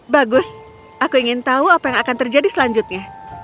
bagus aku ingin tahu apa yang akan terjadi selanjutnya